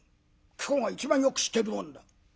貴公が一番よく知ってる者だ」。